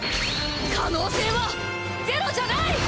可能性はゼロじゃない！